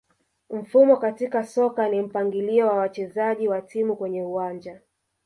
Mfumo katika soka ni mpangilio wa wachezaji wa timu kwenye uwanja